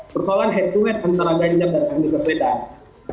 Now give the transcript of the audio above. persoalan head to head antara ganjar dan anggota perbedaan